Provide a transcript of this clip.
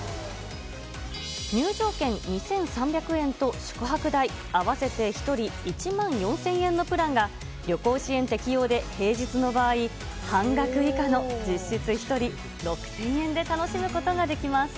入場券２３００円と宿泊代合わせて１人１万４０００円のプランが、旅行支援適用で、平日の場合、半額以下の実質１人６０００円で楽しむことができます。